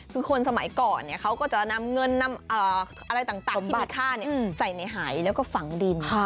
คือคนสมัยก่อนเขาก็จะนำเงินนำอะไรต่างที่มีค่าใส่ในหายแล้วก็ฝังดิน